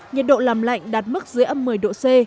nhiệt độ làm lạnh đạt mức dưới âm một mươi độ c